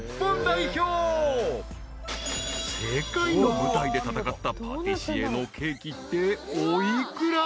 ［世界の舞台で戦ったパティシエのケーキってお幾ら？］